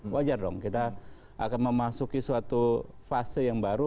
wajar dong kita akan memasuki suatu fase yang baru